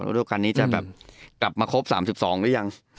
รูปคันนี้จะแบบกลับมาครบ๓๒หรือยัง